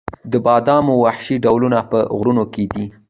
د بادامو وحشي ډولونه په غرونو کې دي؟